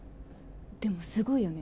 でもすごいよね。